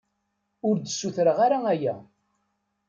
Ur d-ssutreɣ ara aya.